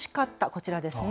こちらです。